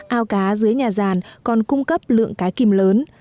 ao cá dưới nhà ràn còn cung cấp lượng cá kim lớn